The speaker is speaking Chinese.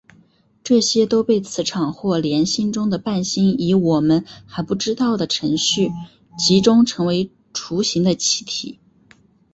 这些都被磁场或联星中的伴星以我们还不知道的程序集中成为锥形的气体。